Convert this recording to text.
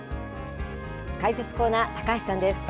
解説コーナー、高橋さんです。